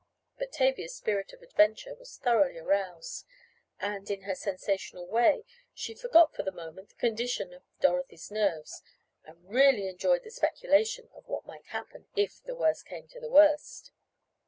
But Tavia's spirit of adventure was thoroughly aroused, and, in her sensational way, she forgot for the moment the condition of Dorothy's nerves, and really enjoyed the speculation of what might happen if "the worst came to the worst."